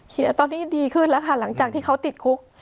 ตอนนี้ดีขึ้นแล้วค่ะหลังจากที่เขาติดคุก